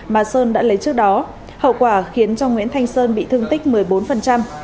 mà sơn đã lấy trước đó hậu quả khiến cho nguyễn thanh sơn bị thương tích một mươi bốn